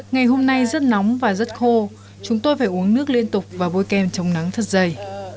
ngày hôm nay rất nóng và rất khô chúng tôi phải uống nước liên tục và bôi kem trong nắng thật dày